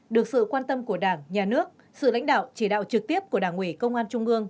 được sự quan tâm của đảng nhà nước sự lãnh đạo chỉ đạo trực tiếp của đảng ủy công an trung ương